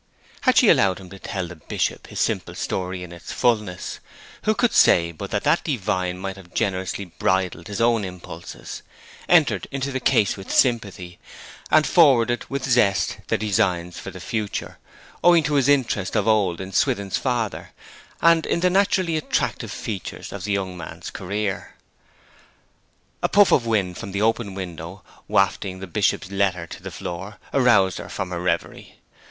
Had she allowed him to tell the Bishop his simple story in its fulness, who could say but that that divine might have generously bridled his own impulses, entered into the case with sympathy, and forwarded with zest their designs for the future, owing to his interest of old in Swithin's father, and in the naturally attractive features of the young man's career. A puff of wind from the open window, wafting the Bishop's letter to the floor, aroused her from her reverie.